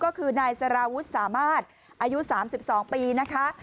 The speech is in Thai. ก็คือนายสารวุฒิสามารถอายุ๓๒ปีนะคะ